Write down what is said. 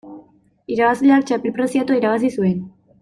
Irabazleak txapel preziatua irabazi zuen.